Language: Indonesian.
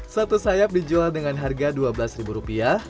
satu sayap dijual dengan harga dua belas ribu rupiah